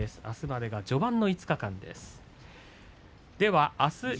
あすまでは序盤の５日間です。